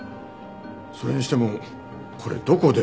それにしてもこれどこで？